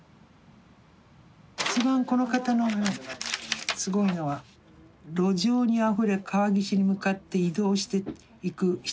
一番この方のすごいのは「路上にあふれ川岸に向かって移動していく人」